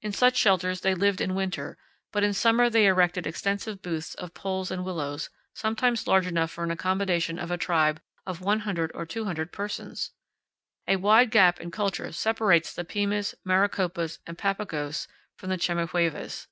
In such shelters, they lived in winter, but in summer they erected extensive booths of poles and willows, sometimes large enough for the accommodation of a tribe of 100 or 200 persons. A wide gap in culture separates the Pimas, Maricopas, and Papagos from the Chemehuevas.